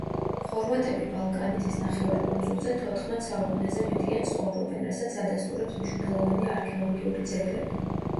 ხორვატები ბალკანეთის ნახევარკუნძულზე თოთხმეტ საუკუნეზე მეტია ცხოვრობენ, რასაც ადასტურებს მნიშვნელოვანი არქეოლოგიური ძეგლები.